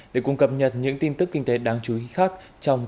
để cùng cập nhật những tin tức kinh tế đáng chú ý khác trong kinh tế phương nam